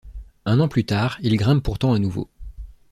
Un an plus tard, il grimpe pourtant à nouveau.